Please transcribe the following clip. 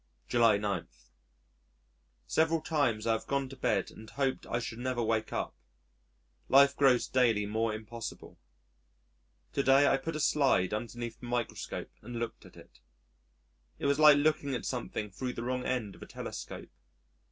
July 9. Several times I have gone to bed and hoped I should never wake up. Life grows daily more impossible. To day I put a slide underneath the microscope and looked at it. It was like looking at something thro' the wrong end of a telescope.